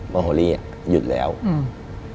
โฮลี่อ่ะหยุดแล้วอืม